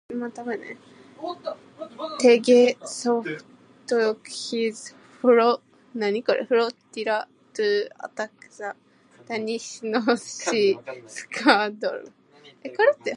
Tegetthoff took his flotilla to attack the Danish North Sea Squadron.